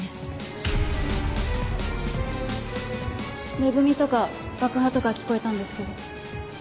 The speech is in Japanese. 「め組」とか「爆破」とか聞こえたんですけど。